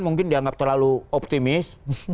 mungkin dianggap terlalu optimis